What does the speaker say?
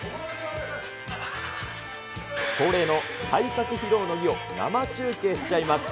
恒例の体格披露の儀を生中継しちゃいます。